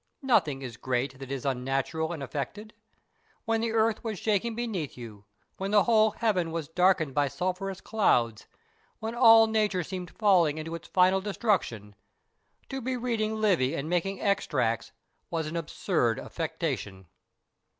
Nothing is great that is unnatural and affected. When the earth was shaking beneath you, when the whole heaven was darkened with sulphurous clouds, when all Nature seemed falling into its final destruction, to be reading Livy and making extracts was an absurd affectation.